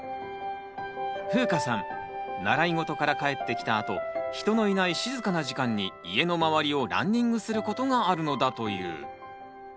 ふうかさん習い事から帰ってきたあと人のいない静かな時間に家の周りをランニングすることがあるのだという。